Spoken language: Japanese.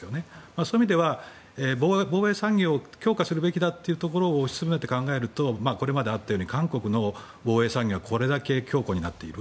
そういう意味では、防衛産業を強化するべきだというところを推し進めて考えると、これまであったように韓国の防衛産業はこれだけ強固になっている。